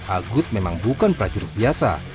agus memang bukan prajurit biasa